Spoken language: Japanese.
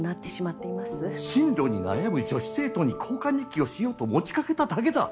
進路に悩む女子生徒に交換日記をしようと持ちかけただけだ。